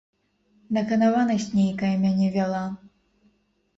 Наканаванасць нейкая мяне вяла.